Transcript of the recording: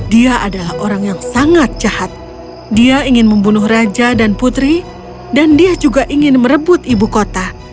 dia adalah orang yang sangat jahat dia ingin membunuh raja dan putri dan dia juga ingin merebut ibu kota